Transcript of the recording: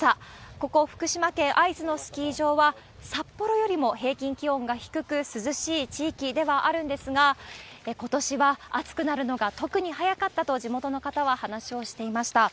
ここ福島県会津のスキー場は、札幌よりも平均気温が低く、涼しい地域ではあるんですが、ことしは暑くなるのが特に早かったと、地元の方は話をしていました。